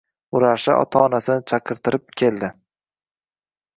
Vrachlar ota-onasini chaqirtirib keldi.